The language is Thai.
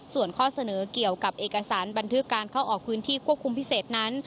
ส่วนข้อเสนอเกี่ยวกับเอกสารบันทึกการเข้าออกพื้นที่ควบคุมพิเศษนั้น